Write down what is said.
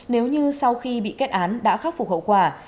nếu như sau khi bị kết án đã khắc phục hậu quả